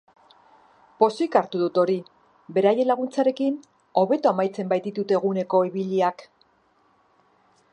Pozik hartu dut hori, beraien laguntzarekin hobeto amaitzen baititut eguneko ibiliak.